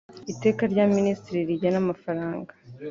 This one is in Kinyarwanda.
Iteka rya Minisitiri rigena amafaranga